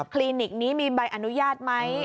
ลินิกนี้มีใบอนุญาตไหม